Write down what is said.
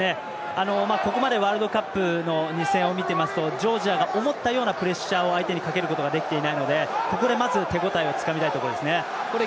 ここまでワールドカップの２戦を見ていますと、ジョージアが思ったようなプレッシャーを相手にかけることができていないのでここでまず、手応えをつかみたいところですね。